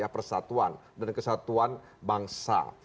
persatuan dan kesatuan bangsa